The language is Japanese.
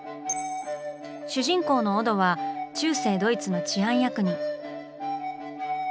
主人公のオドは中世ドイツの治安役人。